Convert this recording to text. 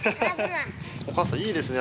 お母さんいいですね